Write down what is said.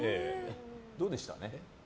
どうでした？